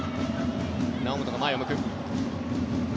猶本が前を向く。